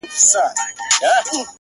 ماته زارۍ كوي چي پرېميږده ه ياره;